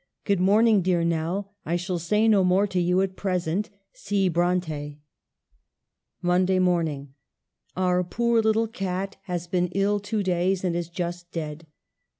..." Good morning, dear Nell, I shall say no more to you at present. " C. Bronte." " Monday morning. " Our poor little cat has been ill two days and is just dead.